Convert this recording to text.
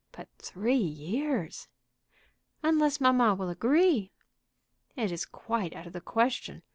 "But three years!" "Unless mamma will agree." "It is quite out of the question.